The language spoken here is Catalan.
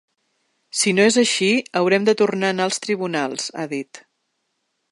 Si no és així, haurem de tornar a anar als tribunals, ha dit.